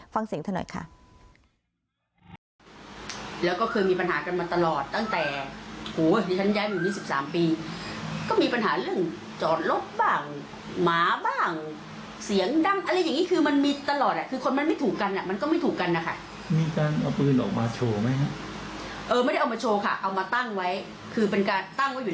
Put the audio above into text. ฟังเสียงเธอหน่อยค่ะ